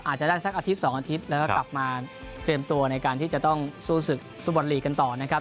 อาจจะได้สักอาทิตย์๒อาทิตย์แล้วก็กลับมาเตรียมตัวในการที่จะต้องสู้ศึกฟุตบอลลีกกันต่อนะครับ